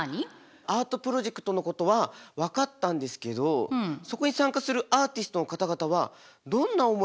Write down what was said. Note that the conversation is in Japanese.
アートプロジェクトのことは分かったんですけどそこに参加するアーティストの方々はどんな思いを持っているんですかね？